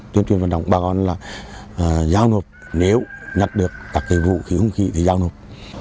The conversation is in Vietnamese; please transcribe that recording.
tuyên tuyên vận động bà con là giao nộp nếu nhặt được các vũ khí vũ khí thì giao nộp